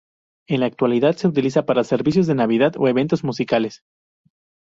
En la actualidad se utiliza para servicios de Navidad ó eventos musicales.